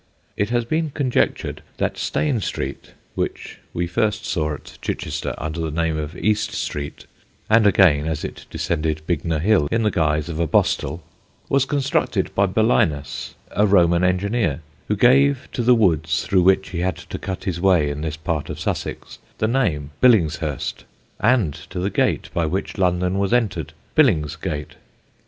It has been conjectured that Stane Street (which we first saw at Chichester under the name of East Street, and again as it descended Bignor hill in the guise of a bostel) was constructed by Belinus, a Roman engineer, who gave to the woods through which he had to cut his way in this part of Sussex the name, Billingshurst, and to the gate by which London was entered, Billingsgate.